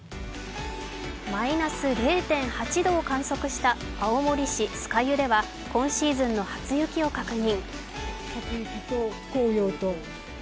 マイナス０．８度を観測した青森市・酸ヶ湯では今シーズンの初雪を確認。